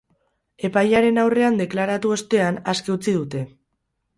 Epailearen aurrean deklaratu ostean, aske utzi dute.